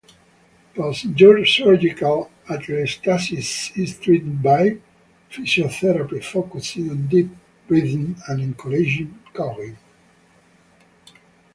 Post-surgical atelectasis is treated by physiotherapy, focusing on deep breathing and encouraging coughing.